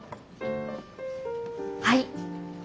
はい。